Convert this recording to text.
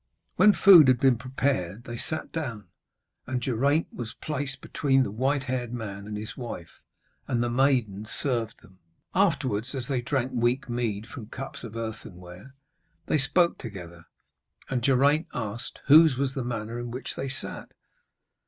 When food had been prepared they sat down, and Geraint was placed between the white haired man and his wife, and the maiden served them. Afterwards, as they drank weak mead from cups of earthenware, they spoke together; and Geraint asked whose was the manor in which they sat.